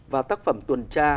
và tác phẩm tuần tra